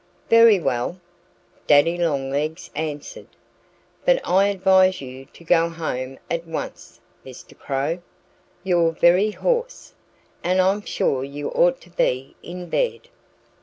"Very well!" Daddy Longlegs answered. "But I advise you to go home at once, Mr. Crow. You're very hoarse. And I'm sure you ought to be in bed."